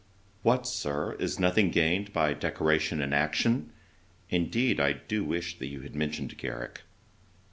'What, Sir, is nothing gained by decoration and action? Indeed, I do wish that you had mentioned Garrick.'